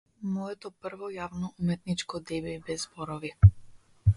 Моето прво јавно уметничко деби без зборови.